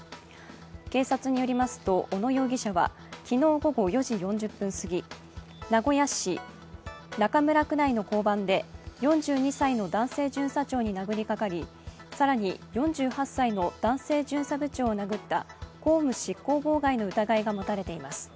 警察によりますと、小野容疑者は昨日午後４時４０分すぎ、名古屋市中村区内の交番で４２歳の男性巡査長に殴りかかり、更に４８歳の男性巡査部長を殴った公務執行妨害の疑いがもたれています。